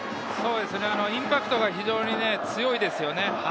インパクトが非常に強いですよね。